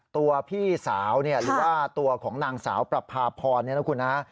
ตัวพี่สาวหรือว่าตัวของนางสาวปราภาพรนะครับคุณ